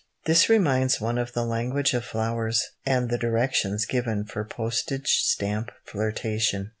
This reminds one of the language of flowers, and the directions given for postage stamp flirtation.